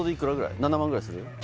７万ぐらいする？